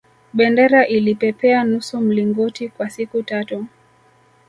bendera ilipepea nusu mlingoti kwa siku tatu